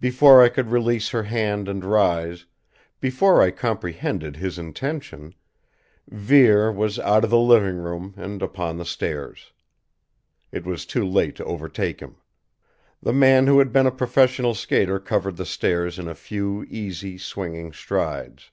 Before I could release her hand and rise, before I comprehended his intention, Vere was out of the living room and upon the stairs. It was too late to overtake him. The man who had been a professional skater covered the stairs in a few easy, swinging strides.